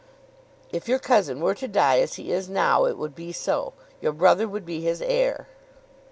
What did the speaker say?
"If your cousin were to die as he is now, it would be so. Your brother would be his heir."